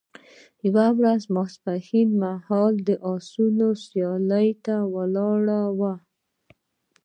یوه ورځ ماپښین مهال د اسونو سیالیو ته ولاړو.